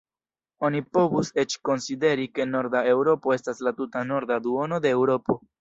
Oni povus eĉ konsideri, ke norda Eŭropo estas la tuta norda duono de Eŭropo.